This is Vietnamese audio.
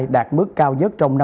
đạt mức cao nhất trong năm